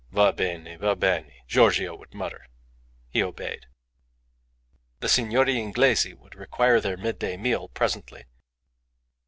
"Va bene, va bene," Giorgio would mutter. He obeyed. The Signori Inglesi would require their midday meal presently.